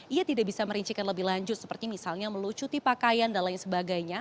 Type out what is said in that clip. ia tidak bisa merincikan lebih lanjut seperti misalnya melucuti pakaian dan lain sebagainya